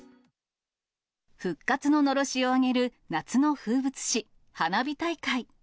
復活ののろしを上げる夏の風物詩、花火大会。